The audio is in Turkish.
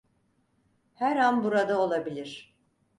Her an burada olabilir.